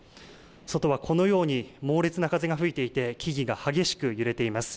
外はこのように猛烈な風が吹いていて、木々が激しく揺れています。